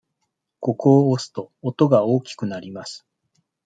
ここを押すと、音が大きくなります。